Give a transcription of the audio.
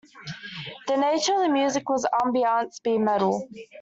The nature of the music was ambient speed metal.